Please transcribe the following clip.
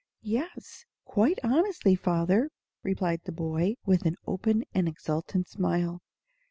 "Yes, quite honestly, father," replied the boy, with an open and exultant smile.